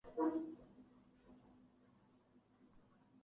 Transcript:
这些族群在古代并不被其他民族认为是凯尔特人。